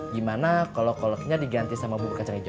gimana kalo kolaknya diganti sama bubur kacang hijau